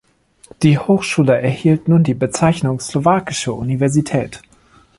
Die Hochschule erhielt nun die Bezeichnung ‚Slowakische Universität‘.